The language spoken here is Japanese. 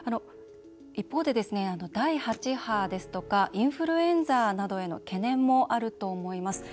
一方で、第８波ですとかインフルエンザなどへの懸念もあると思います。